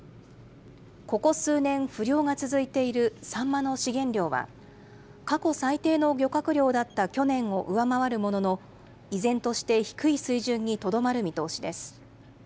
ここ数年、不漁が続いているサンマの資源量は、過去最低の漁獲量だった去年を上回るものの、依然として低い水準にとどまる見通しです。